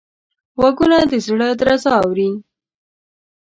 غوږونه د زړه درزا اوري